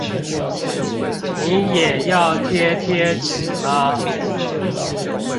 你也要貼貼紙嗎？